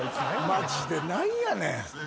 マジで何やねん！